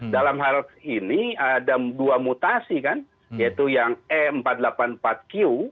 dalam hal ini ada dua mutasi kan yaitu yang e empat ratus delapan puluh empat q